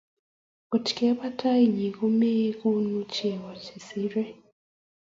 Ngotkebai tanyi komie kokonu chego che sere